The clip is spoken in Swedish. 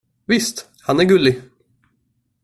Visst. Han är gullig.